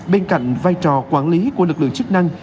bên cạnh vai trò quản lý của lực lượng chức năng